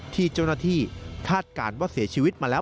ที่เจ้าหน้าที่คาดการณ์ว่าเสียชีวิตมาแล้ว